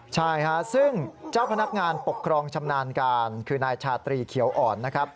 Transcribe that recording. ใช่ค่ะซึ่งเจ้าพนักงานปกครองชำนาญการคือนายชาตรีเขียวอ่อนนะครับ